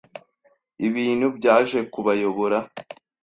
Ibintu byaje kubayobora.